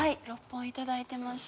６本頂いてます。